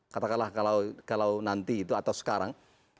katakanlah kalau nanti itu atau sekarang